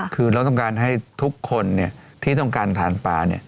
คือเราต้องการให้ทุกคนที่ต้องการทานปลา